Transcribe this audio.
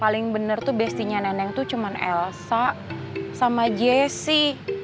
paling bener tuh bestinya neneng tuh cuma elsa sama jessy